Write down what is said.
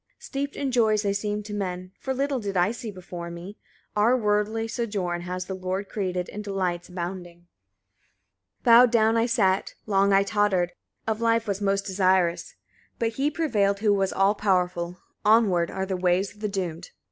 35. Steeped in joys I seemed to men; for little did I see before me: our worldly sojourn has the Lord created in delights abounding. 36. Bowed down I sat, long I tottered, of life was most desirous; but He prevailed who was all powerful: onward are the ways of the doomed.